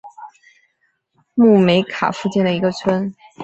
穆梅卡附近的一个村。